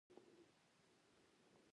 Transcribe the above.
د ترسروونکي تباهي ورزیاتوي.